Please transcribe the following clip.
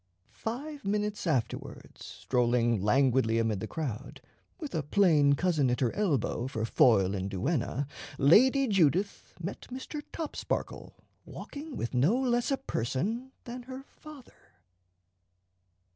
Five minutes afterwards, strolling languidly amid the crowd, with a plain cousin at her elbow for foil and duenna, Lady Judith met Mr. Topsparkle walking with no less a person than her father.